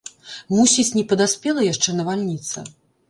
Мусіць, не падаспела яшчэ навальніца.